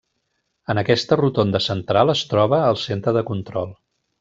En aquesta rotonda central es troba el centre de control.